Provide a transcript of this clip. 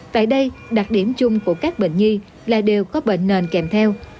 tại đây đặc điểm chung của các bệnh nhi là đều có bệnh nền kèm theo